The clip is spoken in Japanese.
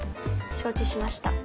承知しました。